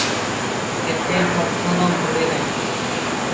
କେତେ ପଥର ବୁଡ଼େ ନାହିଁ ।